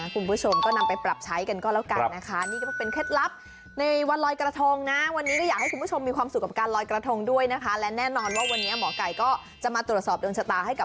คุณผู้ชมก็นำไปปรับใช้กันก็แล้วกันนะคะ